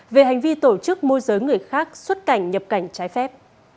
về hành vi tổ chức môi giới người khác xuất cảnh nhập cảnh trái phép